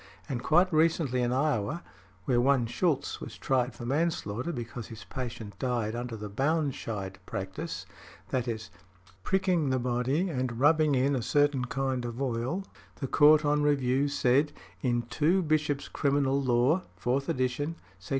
And quite recently in Iowa, where one Shulz was tried for manslaughter because his patient died under the Baunscheidt practice, i. e., pricking the body and rubbing in a certain kind of oil, the Court on review said: "In 2 Bishop's Criminal Law, (4th Ed.) sec.